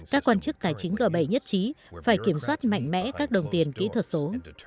các quan chức tài chính g bảy nhất trí phải kiểm soát mạnh mẽ các đồng tiền kỹ thuật số